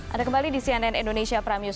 ada kembali di cnn indonesia prime news